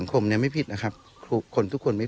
ก็ตามสไตล์ของครูก็ยังพูดนิ่มเนิบ